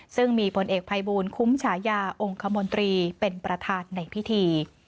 ซึ่งมีผลเอกภัยบูลคุ้มฉายาองค์คมนตรีเป็นประธานในพิธี